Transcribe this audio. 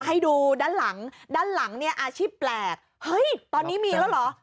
ให้ดูด้านหลังด้านหลังเนี่ยอาชีพแปลกเฮ้ยตอนนี้มีแล้วเหรอ